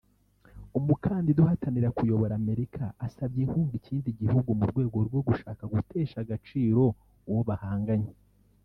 umukandida uhatanira kuyobora Amerika asabye inkunga ikindi gihugu mu rwego rwo gushaka gutesha agaciro uwo bahanganye